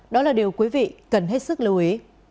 đó là điều quý vị cần hết sức lưu ý